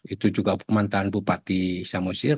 itu juga pemanahan bupati samusir